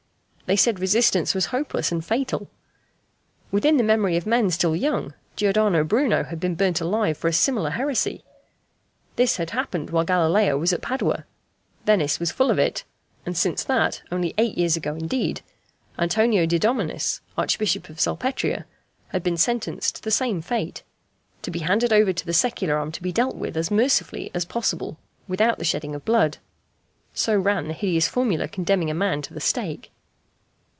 They said resistance was hopeless and fatal. Within the memory of men still young, Giordano Bruno had been burnt alive for a similar heresy. This had happened while Galileo was at Padua. Venice was full of it. And since that, only eight years ago indeed, Antonio de Dominis, Archbishop of Salpetria, had been sentenced to the same fate: "to be handed over to the secular arm to be dealt with as mercifully as possible without the shedding of blood." So ran the hideous formula condemning a man to the stake.